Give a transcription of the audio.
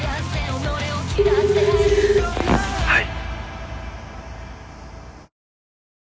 はい。